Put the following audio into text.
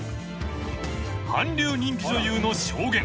［韓流人気女優の証言］